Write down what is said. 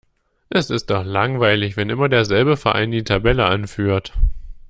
Es ist doch langweilig, wenn immer derselbe Verein die Tabelle anführt.